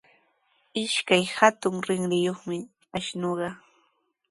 Ishkay hatun rinriyuqmi ashnuqa.